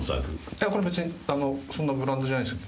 いやこれ別にそんなブランドじゃないですよ。